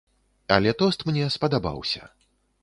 Але тост мне спадабаўся.